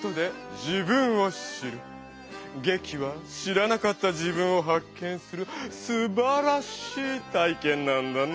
劇は知らなかった自分を発見するすばらしい体けんなんだな。